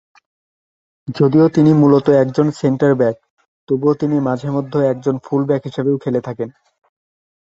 যদিও তিনি মূলত হচ্ছেন একজন সেন্টার-ব্যাক, তবুও তিনি মাঝেমধ্যে একজন ফুল-ব্যাক হিসেবেও খেলে থাকেন।